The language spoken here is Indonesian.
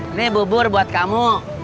ini bubur buat kamu